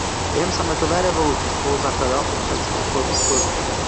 Během sametové revoluce spoluzakládal Občanské fórum v Plzni.